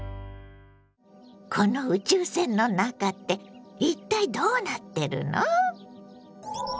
この宇宙船の中って一体どうなってるの？